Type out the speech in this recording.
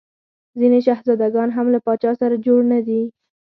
ځیني شهزاده ګان هم له پاچا سره جوړ نه دي.